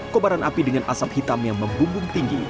kobaran api dengan asap hitam yang membumbung tinggi